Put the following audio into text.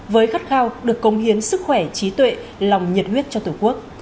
với khát khao được công hiến sức khỏe trí tuệ lòng nhiệt huyết cho tổ quốc